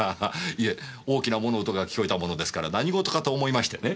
いえ大きな物音が聞こえたものですから何事かと思いましてね。